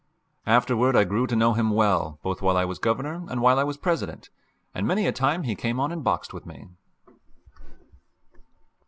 Afterward I grew to know him well both while I was Governor and while I was President, and many a time he came on and boxed with me.